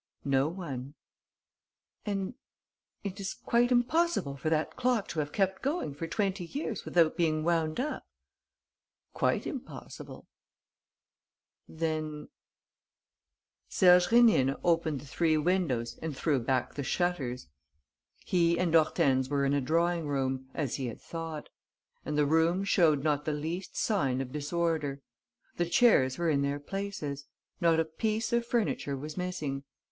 "No one." "And it is quite impossible for that clock to have kept going for twenty years without being wound up?" "Quite impossible." "Then ...?" Serge Rénine opened the three windows and threw back the shutters. He and Hortense were in a drawing room, as he had thought; and the room showed not the least sign of disorder. The chairs were in their places. Not a piece of furniture was missing.